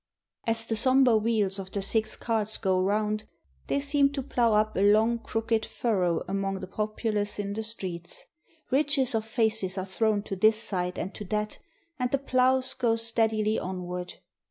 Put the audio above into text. As the somber wheels of the six carts go round, they seem to plough up a long crooked furrow among the populace in the streets. Ridges of faces are thrown to this side and to that, and the ploughs go steadily on ward.